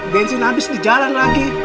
bensin abis di jalan lagi